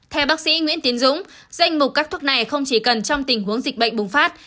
theo bác sĩ nguyễn tiến dũng danh mục các thuốc này không chỉ cần trong tình huống dịch bệnh bùng phát